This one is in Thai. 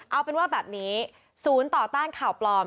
เอาเป็นว่าแบบนี้ศูนย์ต่อต้านข่าวปลอม